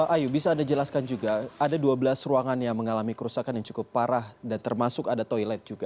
ayu bisa anda jelaskan juga ada dua belas ruangan yang mengalami kerusakan yang cukup parah dan termasuk ada toilet juga